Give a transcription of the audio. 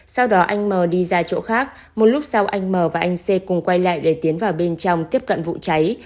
sau đó anh mờ đi ra chỗ khác một lúc sau anh m và anh c cùng quay lại để tiến vào bên trong tiếp cận vụ cháy